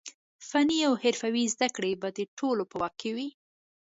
فني او حرفوي زده کړې به د ټولو په واک کې وي.